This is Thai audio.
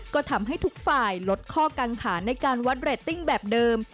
ก็ทำให้ทุกฝ่ายลดข้อกังขาในการวัดเรตติ้งแบบเดิม